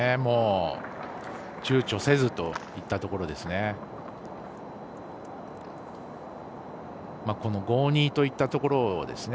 ちゅうちょせずといったところですね。